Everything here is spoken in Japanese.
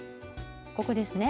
ここですね。